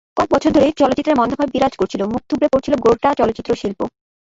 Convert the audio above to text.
কয়েক বছর ধরে চলচ্চিত্রে মন্দাভাব বিরাজ করছিল, মুখ থুবড়ে পড়েছিল গোটা চলচ্চিত্রশিল্প।